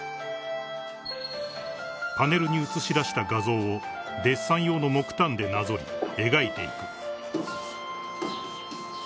［パネルに映し出した画像をデッサン用の木炭でなぞり描いていく］